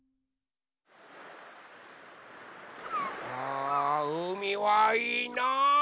あうみはいいな！